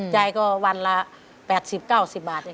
ใจก็วันละ๘๐๙๐บาท